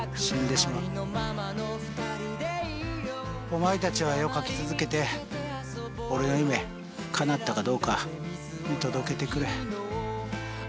お前たちは絵を描き続けて俺の夢かなったかどうか見届けてくれ。